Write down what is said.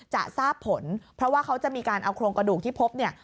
จะทราบผลเพราะว่าเขาจะมีการเอาโครงกระดูกที่พบเนี่ย